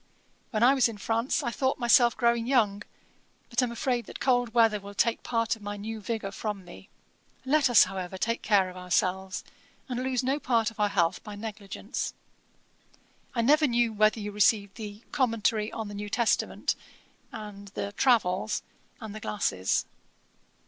'When I was in France, I thought myself growing young, but am afraid that cold weather will take part of my new vigour from me. Let us, however, take care of ourselves, and lose no part of our health by negligence. 'I never knew whether you received the Commentary on the New Testament and the Travels, and the glasses.